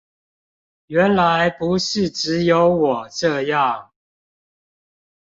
原來不是只有我這樣